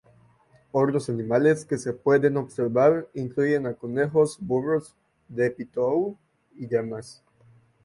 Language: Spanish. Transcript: Otros animales que se pueden observar incluyen a conejos, burros de Poitou, y llamas.